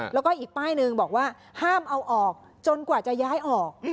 แล้วก็อีกป้ายหนึ่งบอกว่าห้ามเอาออกจนกว่าจะย้ายออก